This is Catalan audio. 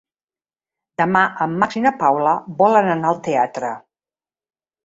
Demà en Max i na Paula volen anar al teatre.